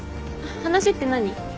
話って何？